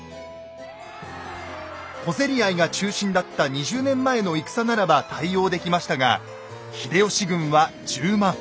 小競り合いが中心だった２０年前の戦ならば対応できましたが秀吉軍は１０万。